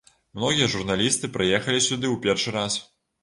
Многія журналісты прыехалі сюды ў першы раз.